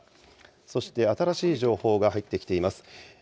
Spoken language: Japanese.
そして、新しい情報が入ってきています。